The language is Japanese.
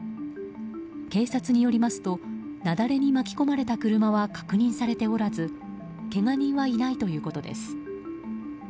警察によりますと雪崩に巻き込まれた車は確認されておらずけが人はいないということです。